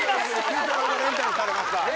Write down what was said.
Ｑ太郎がレンタルされました。